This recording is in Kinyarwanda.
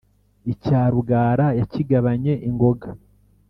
icya rugara yakigabanye ingoga